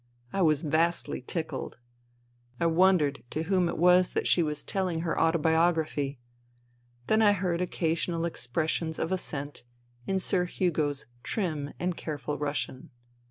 I was vastly tickled. I wondered to whom it was that she was telling her autobiography. Then I heard occasional ex pressions ofassent in Sir Hugo's trim and careful Rus sian.